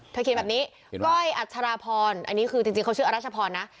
เขียนแบบนี้ก้อยอัชราพรอันนี้คือจริงเขาชื่ออรัชพรนะ